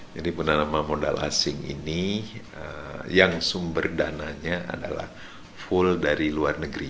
jadi penanaman modal asing ini yang sumber dananya adalah full dari luar negeri